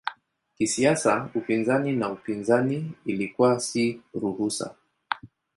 Kisiasa upinzani na upinzani ilikuwa si ruhusa.